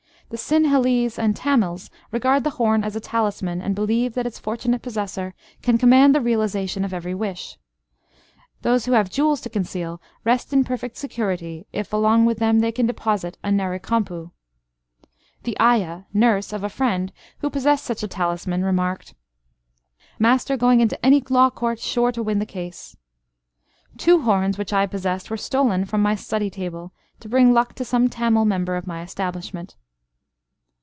The Sinhalese and Tamils regard the horn as a talisman, and believe that its fortunate possessor can command the realisation of every wish. Those who have jewels to conceal rest in perfect security if, along with them, they can deposit a narikompu. The ayah (nurse) of a friend who possessed such a talisman, remarked: "Master going into any law court, sure to win the case." Two horns, which I possessed, were stolen from my study table, to bring luck to some Tamil member of my establishment.